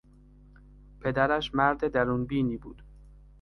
پدرش مرد درون بینی بود.